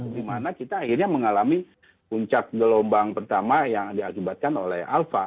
dimana kita akhirnya mengalami puncak gelombang pertama yang diakibatkan oleh alpha